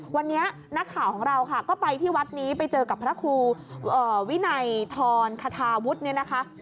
วันนี้นักข่าวของเราค่ะก็ไปที่วัดนี้ไปเจอกับพระครูวินัยทรคทาวุฒิเนี่ยนะคะ